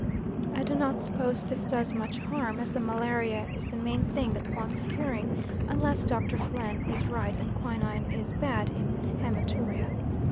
I do not suppose this does much harm, as the malaria is the main thing that wants curing; unless Dr. Plehn is right and quinine is bad in haematuria.